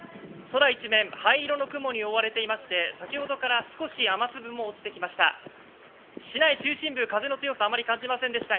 空一面灰色の雲に覆われていまして先ほどから少し雨粒も落ちてきました。